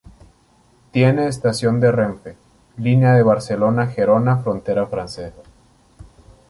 Tiene estación de Renfe, línea de Barcelona-Gerona-Frontera Francesa.